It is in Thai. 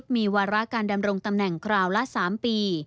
มีวาระการดำรงตำแหน่งคราวละ๓ปี